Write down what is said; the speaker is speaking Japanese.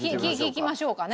聞きましょうかね。